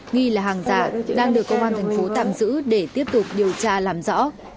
nghi là hàng giả đang được công an thành phố tạm giữ để tiếp tục điều tra làm rõ